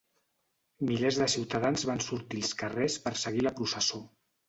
Milers de ciutadans van sortir als carrers per seguir la processó.